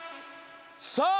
さあ